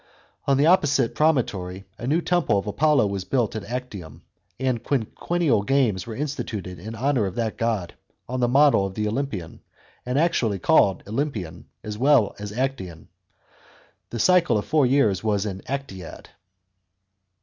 On the opposite promontory, a new temple of Apollo was built at Actium, and quinquennial games were instituted in honour of that god, on the model of the Olympian, and actually called " Olympian " as well as " Actian." The cycle of four years was an " Actiad.."